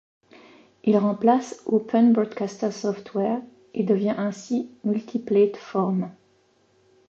Il remplace Open Broadcaster Software et devient ainsi multiplate-forme.